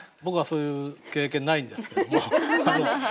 僕はそういう経験ないんですけども。